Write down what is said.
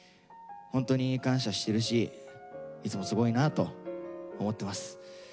ホントに感謝してるしいつもすごいなと思ってます。